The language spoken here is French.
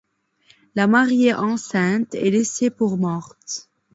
La mariée, enceinte, est laissée pour morte.